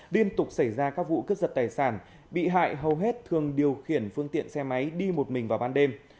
liên tục xảy ra các vụ cướp giật tài sản bị hại hầu hết thường điều khiển phương tiện xe máy đi một mình vào ban đêm